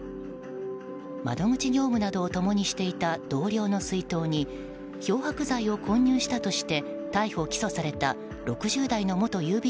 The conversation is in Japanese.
窓口業務などを共にしていた同僚の水筒に漂白剤を混入したとして逮捕・起訴された６０代の元郵便